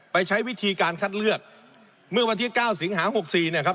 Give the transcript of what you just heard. ใช้วิธีการคัดเลือกเมื่อวันที่เก้าสิงหาหกสี่เนี่ยครับ